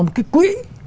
một cái quỹ